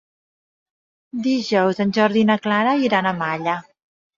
Dijous en Jordi i na Clara iran a Malla.